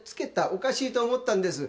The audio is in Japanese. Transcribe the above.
おかしいと思ったんです。